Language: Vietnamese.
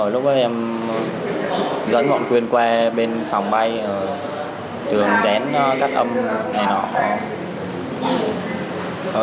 lúc đó em dẫn bọn quyên qua bên phòng bay trường rén cắt âm ngày nào